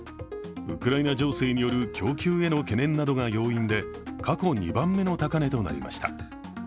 ウクライナ情勢による供給への懸念などが要因で過去２番目の高値となりました。